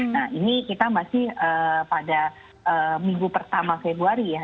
nah ini kita masih pada minggu pertama februari ya